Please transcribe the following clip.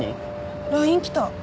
ＬＩＮＥきた。